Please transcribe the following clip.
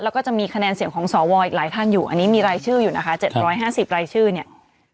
แล้วก็จะมีคะแนนเสียงของสวอีกหลายท่านอยู่อันนี้มีรายชื่ออยู่นะคะ๗๕๐รายชื่อเนี่ย